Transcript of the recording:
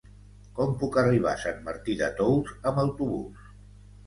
Com puc arribar a Sant Martí de Tous amb autobús?